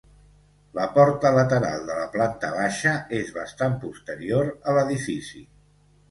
La porta lateral de la planta baixa és bastant posterior a l'edifici.